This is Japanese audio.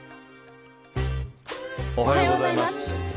おはようございます。